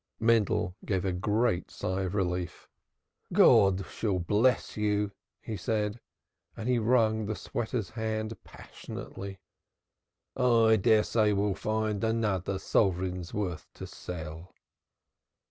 Mendel gave a great sigh of relief. "God shall bless you," he said. He wrung the sweater's hand passionately. "I dare say we shall find another sovereign's worth to sell."